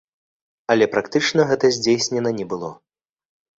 Але практычна гэта здзейснена не было.